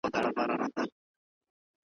یا دولت وینو په خوب کي یا بری یا شهرتونه ,